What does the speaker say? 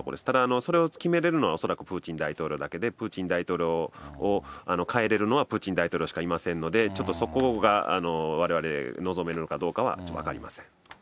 ただ、それを決めれるのはプーチン大統領だけで、プーチン大統領を変えれるのは、プーチン大統領しかいませんので、ちょっとそこがわれわれ、望めるのかどうかは分かりません。